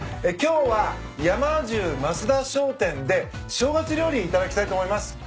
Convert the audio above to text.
今日はヤマ十増田商店で正月料理頂きたいと思います。